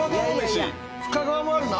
深川もあるな。